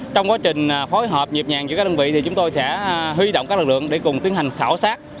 trong quá trình phối hợp nhịp nhàng giữa các đơn vị thì chúng tôi sẽ huy động các lực lượng để cùng tiến hành khảo sát